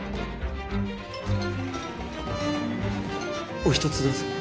お一つどうぞ。